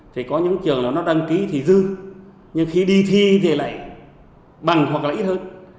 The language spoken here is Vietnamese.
thì có những trường là nó đăng ký thì dư nhưng khi đi thi thì lại bằng hoặc là ít hơn